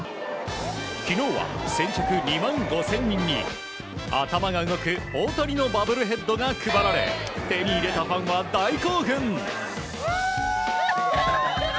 昨日は先着２万５０００人に頭が動く大谷のバブルヘッドが配られ手に入れたファンは大興奮。